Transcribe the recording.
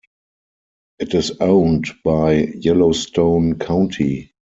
It is owned by Yellowstone County.